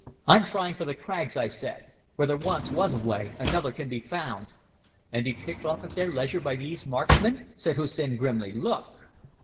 "I'm trying for the crags," I said. "Where there once was a way another can be found." "And be picked off at their leisure by these marksmen," said Hussin grimly. "Look!"